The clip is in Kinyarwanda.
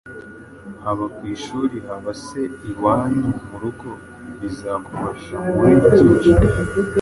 haba ku ishuri haba se iwanyu mu rugo, bizagufasha muri byinshi.